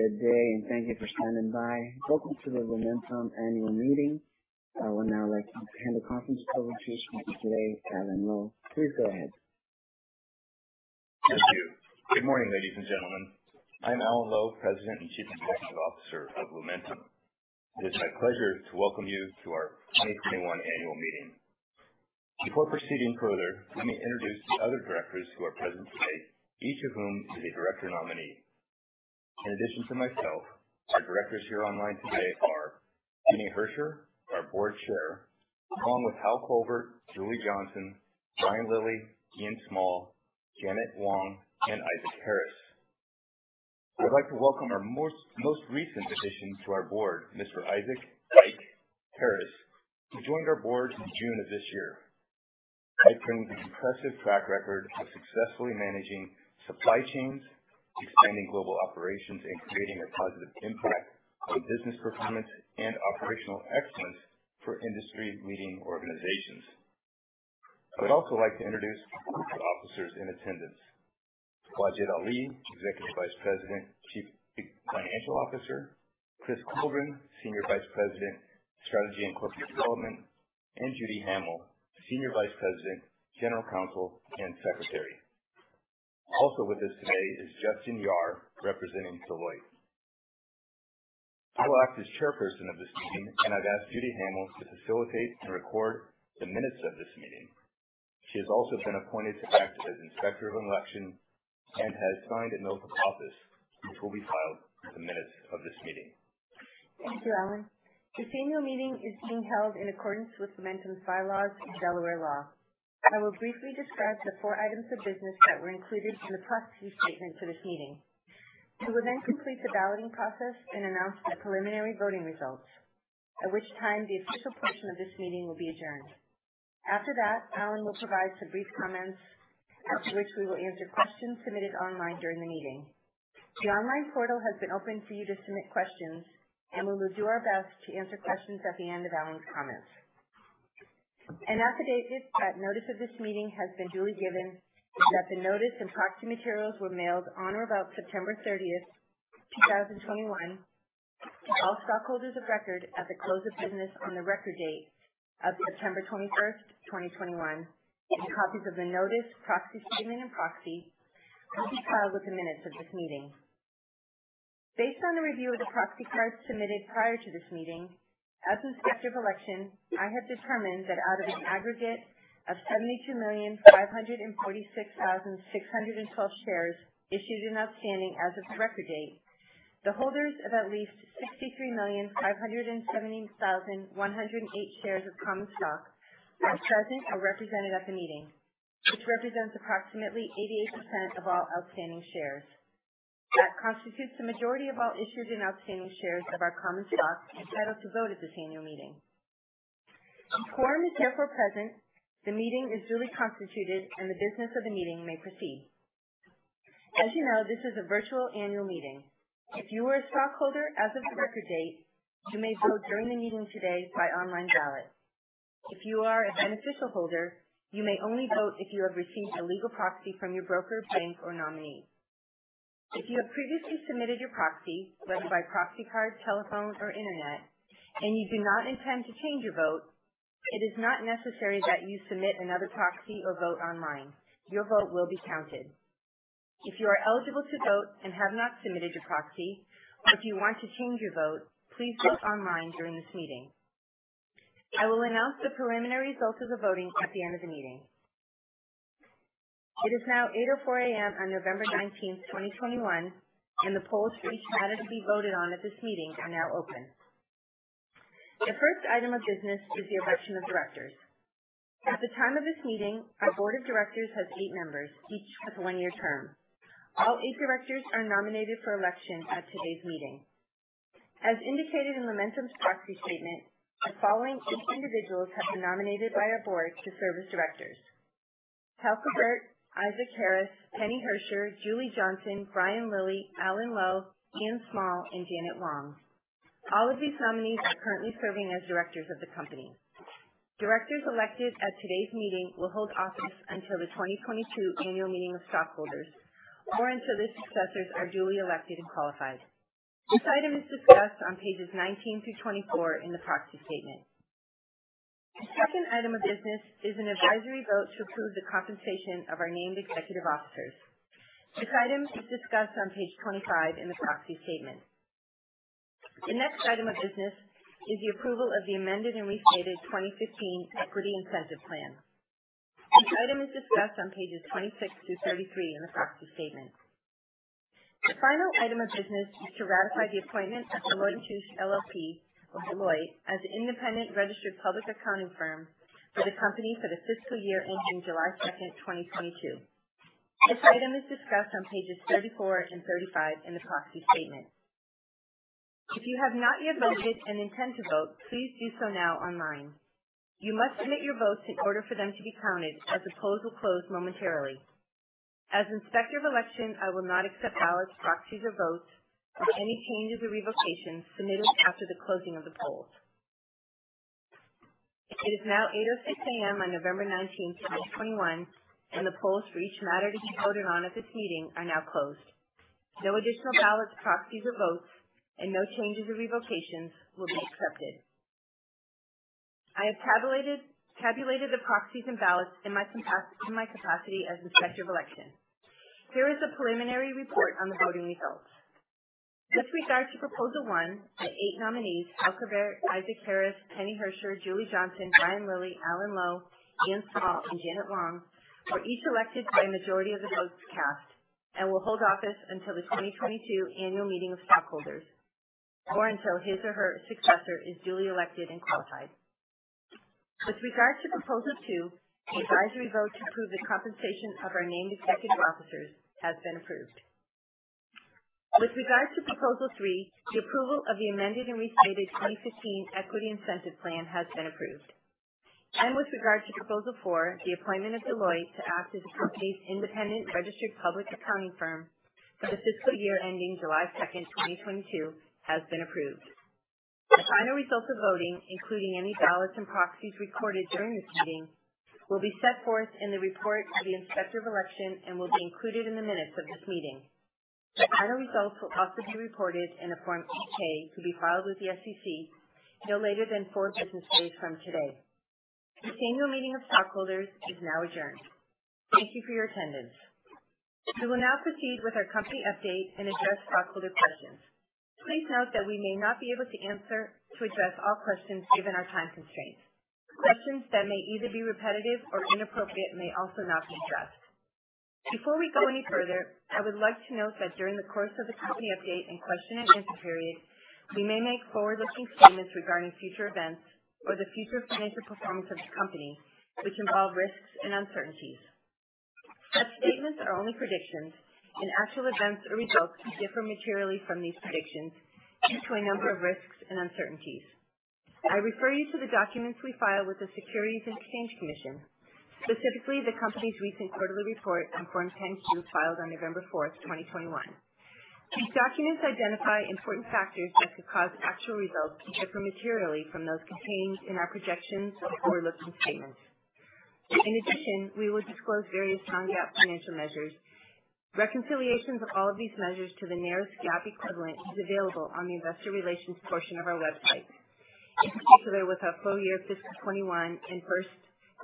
Good day, and thank you for standing by. Welcome to the Lumentum Annual Meeting. I would now like to hand the conference over to our speaker today, Alan Lowe. Please go ahead. Thank you. Good morning, ladies and gentlemen. I'm Alan Lowe, President and Chief Executive Officer of Lumentum. It is my pleasure to welcome you to our 2021 Annual Meeting. Before proceeding further, let me introduce the other directors who are present today, each of whom is a director nominee. In addition to myself, our directors here online today are: Penny Herscher, our Board Chair, along with Hal Covert, Julia Johnson, Brian Lillie, Ian Small, Janet Wong, and Isaac Harris. I'd like to welcome our most recent addition to our board, Mr. Isaac Ike Harris, who joined our board in June of this year. Ike brings an impressive track record of successfully managing supply chains, expanding global operations, and creating a positive impact on business performance and operational excellence for industry-leading organizations. I would also like to introduce our group of officers in attendance: Wajid Ali, Executive Vice President, Chief Financial Officer; Chris Coldren, Senior Vice President, Strategy and Corporate Development; and Judy Hamel, Senior Vice President, General Counsel, and Secretary. Also with us today is Justin Yuen, representing Deloitte. I will act as Chairperson of this meeting, and I've asked Judy Hamel to facilitate and record the minutes of this meeting. She has also been appointed to act as Inspector of Election and has signed a oath of office, which will be filed at the minutes of this meeting. Thank you, Alan. This Annual Meeting is being held in accordance with Lumentum's bylaws and Delaware law. I will briefly describe the four items of business that were included in the proxy statement for this meeting. We will then complete the balloting process and announce the preliminary voting results, at which time the official portion of this meeting will be adjourned. After that, Alan will provide some brief comments, after which we will answer questions submitted online during the meeting. The online portal has been opened for you to submit questions, and we will do our best to answer questions at the end of Alan's comments. An affidavit that notice of this meeting has been duly given that the notice and proxy materials were mailed on or about September 30th, 2021, to all stockholders of record at the close of business on the record date of September 21st, 2021, and copies of the notice, Proxy Statement, and proxy will be filed with the minutes of this meeting. Based on the review of the proxy cards submitted prior to this meeting, as Inspector of Election, I have determined that out of an aggregate of 72,546,612 shares issued and outstanding as of the record date, the holders of at least 63,570,108 shares of common stock are present or represented at the meeting, which represents approximately 88% of all outstanding shares. That constitutes the majority of all issued and outstanding shares of our common stock entitled to vote at this Annual Meeting. The quorum is therefore present. The meeting is duly constituted, and the business of the meeting may proceed. As you know, this is a virtual Annual Meeting. If you are a stockholder as of the record date, you may vote during the meeting today by online ballot. If you are a beneficial holder, you may only vote if you have received a legal proxy from your broker, bank, or nominee. If you have previously submitted your proxy, whether by proxy card, telephone, or internet, and you do not intend to change your vote, it is not necessary that you submit another proxy or vote online. Your vote will be counted. If you are eligible to vote and have not submitted your proxy, or if you want to change your vote, please vote online during this meeting. I will announce the preliminary results of the voting at the end of the meeting. It is now 8:04 A.M. on November 19th, 2021, and the polls for each matter to be voted on at this meeting are now open. The first item of business is the election of directors. At the time of this meeting, our Board of Directors has eight members, each with a one-year term. All eight directors are nominated for election at today's meeting. As indicated in Lumentum's proxy statement, the following eight individuals have been nominated by our board to serve as directors: Hal Covert, Isaac Harris, Penny Herscher, Julia Johnson, Brian Lillie, Alan Lowe, Ian Small, and Janet Wong. All of these nominees are currently serving as directors of the company. Directors elected at today's meeting will hold office until the 2022 Annual Meeting of Stockholders, or until their successors are duly elected and qualified. This item is discussed on pages 19 through 24 in the proxy statement. The second item of business is an advisory vote to approve the compensation of our named executive officers. This item is discussed on page 25 in the Proxy Statement. The next item of business is the approval of the amended and restated 2015 Equity Incentive Plan. This item is discussed on pages 26 through 33 in the Proxy Statement. The final item of business is to ratify the appointment of Deloitte & Touche LLP as an independent registered public accounting firm for the company for the fiscal year ending July 2nd, 2022. This item is discussed on pages 34 and 35 in the Proxy Statement. If you have not yet voted and intend to vote, please do so now online. You must submit your votes in order for them to be counted as the polls will close momentarily. As Inspector of Election, I will not accept ballots, proxies, or votes or any changes or revocations submitted after the closing of the polls. It is now 8:06 A.M. on November 19th, 2021, and the polls for each matter to be voted on at this meeting are now closed. No additional ballots, proxies, or votes, and no changes or revocations will be accepted. I have tabulated the proxies and ballots in my capacity as Inspector of Election. Here is the preliminary report on the voting results. With regard to Proposal One, the eight nominees Hal Covert, Isaac Harris, Penny Herscher, Julia Johnson, Brian Lillie, Alan Lowe, Ian Small, and Janet Wong were each elected by a majority of the votes cast and will hold office until the 2022 Annual Meeting of Stockholders, or until his or her successor is duly elected and qualified. With regard to Proposal Two, the advisory vote to approve the compensation of our named executive officers has been approved. With regard to Proposal Three, the approval of the amended and restated 2015 Equity Incentive Plan has been approved. With regard to Proposal Four, the appointment of Deloitte to act as the company's independent registered public accounting firm for the fiscal year ending July 2nd, 2022, has been approved. The final results of voting, including any ballots and proxies recorded during this meeting, will be set forth in the report of the Inspector of Election and will be included in the minutes of this meeting. The final results will also be reported in a Form 8-K to be filed with the SEC no later than four business days from today. This Annual Meeting of Stockholders is now adjourned. Thank you for your attendance. We will now proceed with our company update and address stockholder questions. Please note that we may not be able to answer or address all questions given our time constraints. Questions that may either be repetitive or inappropriate may also not be addressed. Before we go any further, I would like to note that during the course of the company update and question and answer period, we may make forward-looking statements regarding future events or the future financial performance of the company, which involve risks and uncertainties. Such statements are only predictions, and actual events or results can differ materially from these predictions due to a number of risks and uncertainties. I refer you to the documents we file with the Securities and Exchange Commission, specifically the company's recent quarterly report and Form 10-Q filed on November 4th, 2021. These documents identify important factors that could cause actual results to differ materially from those contained in our projections or forward-looking statements. In addition, we will disclose various non-GAAP financial measures. Reconciliations of all of these measures to the non-GAAP equivalent is available on the Investor Relations portion of our website, in particular with our full year fiscal 2021 and first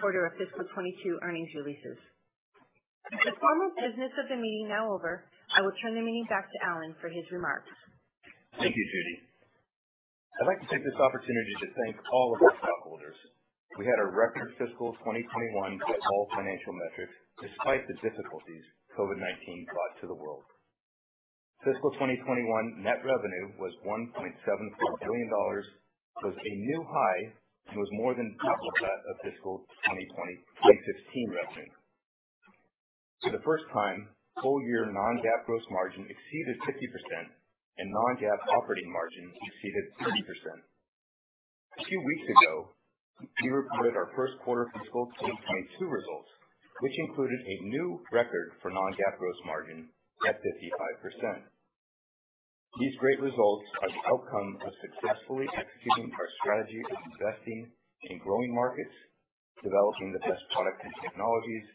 quarter of fiscal 2022 earnings releases. With the formal business of the meeting now over, I will turn the meeting back to Alan for his remarks. Thank you, Judy. I'd like to take this opportunity to thank all of our stockholders. We had a record fiscal 2021 by all financial metrics despite the difficulties COVID-19 brought to the world. Fiscal 2021 net revenue was $1.74 billion, was a new high, and was more than double that of fiscal 2015 revenue. For the first time, full year non-GAAP gross margin exceeded 50%, and non-GAAP operating margin exceeded 50%. A few weeks ago, we reported our first quarter fiscal 2022 results, which included a new record for non-GAAP gross margin at 55%. These great results are the outcome of successfully executing our strategy of investing in growing markets, developing the best products and technologies,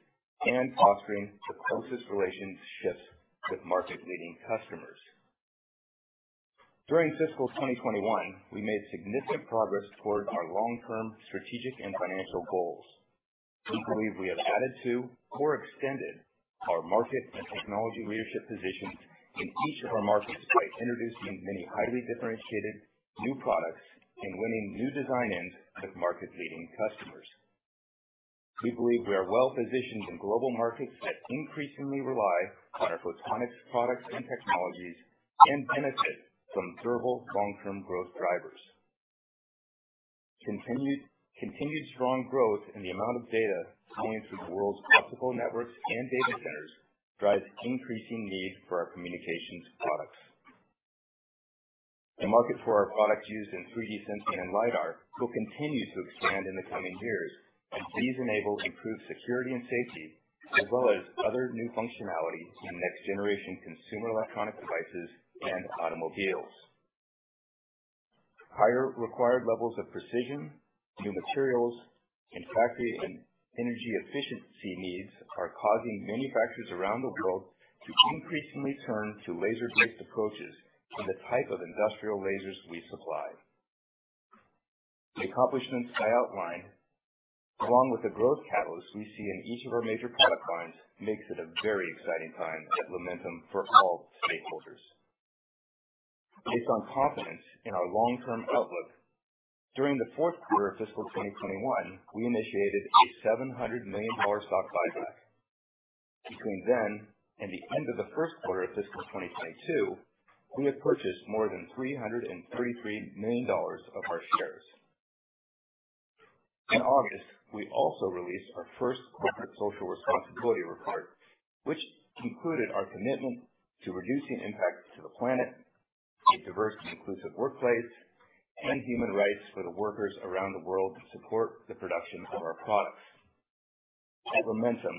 and fostering the closest relationships with market-leading customers. During fiscal 2021, we made significant progress toward our long-term strategic and financial goals. We believe we have added to or extended our market and technology leadership positions in each of our markets by introducing many highly differentiated new products and winning new design-ins with market-leading customers. We believe we are well-positioned in global markets that increasingly rely on our photonics products and technologies and benefit from durable long-term growth drivers. Continued strong growth in the amount of data coming through the world's optical networks and data centers drives increasing need for our communications products. The market for our products used in 3D sensing and LiDAR will continue to expand in the coming years, and these enable improved security and safety, as well as other new functionality in next-generation consumer electronic devices and automobiles. Higher required levels of precision, new materials, and factory and energy efficiency needs are causing manufacturers around the world to increasingly turn to laser-based approaches in the type of industrial lasers we supply. The accomplishments I outlined, along with the growth catalysts we see in each of our major product lines, make it a very exciting time at Lumentum for all stakeholders. Based on confidence in our long-term outlook, during the fourth quarter of fiscal 2021, we initiated a $700 million stock buyback. Between then and the end of the first quarter of fiscal 2022, we have purchased more than $333 million of our shares. In August, we also released our first corporate social responsibility report, which concluded our commitment to reducing impact to the planet, a diverse and inclusive workplace, and human rights for the workers around the world to support the production of our products. At Lumentum,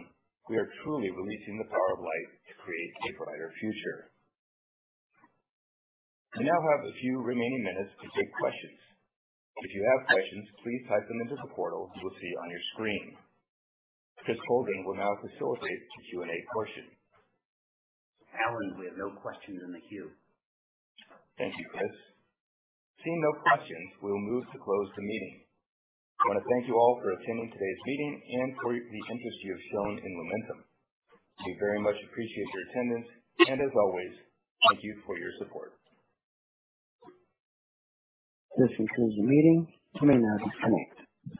we are truly releasing the power of light to create a brighter future. We now have a few remaining minutes to take questions. If you have questions, please type them into the portal you will see on your screen. Chris Coldren will now facilitate the Q&A portion. Alan, we have no questions in the queue. Thank you, Chris. Seeing no questions, we will move to close the meeting. I want to thank you all for attending today's meeting and for the interest you have shown in Lumentum. We very much appreciate your attendance, and as always, thank you for your support. This concludes the meeting. You may now disconnect.